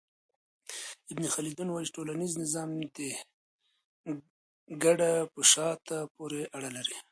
ابن خلدون وايي چي ټولنيز نظام د کډه په شاته پوري اړه لري.